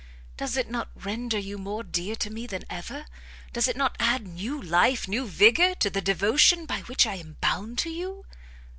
Does it not render you more dear to me than ever? does it not add new life, new vigour, to the devotion by which I am bound to you?"